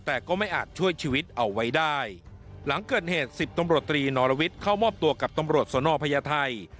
แต่ก็ไม่อาจช่วยชีวิตเอาไว้ได้หลังเกิดเหตุสิบตำรวจตรีนอรวิทย์เข้ามอบตัวกับตำรวจสนพญาไทย